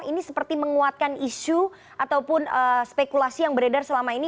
ini seperti menguatkan isu ataupun spekulasi yang beredar selama ini